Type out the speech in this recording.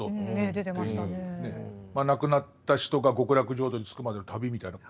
亡くなった人が極楽浄土に着くまでの旅みたいな。